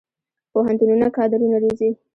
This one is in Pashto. پوهنتونونه کادرونه روزي